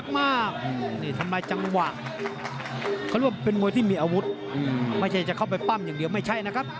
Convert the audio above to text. ไม่ใช่จะเข้าไปปั้มอย่างเดียวไม่ใช่นะครับ